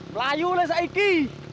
melayu lesa iki